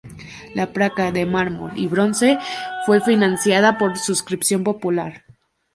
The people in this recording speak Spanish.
La placa, de mármol y bronce, fue financiada por suscripción popular.